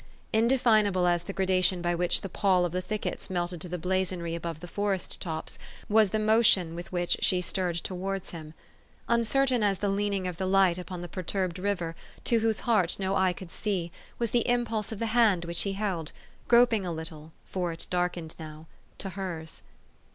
Indefinable as the gradation by which the pall of the thickets melted to the blazonry above the forest tops was the motion with which she stirred towards him. Uncertain as the leaning of the light upon the perturbed river, to whose heart no eye could see, was the impulse of the hand which he held groping a little, for it darkened now to hers.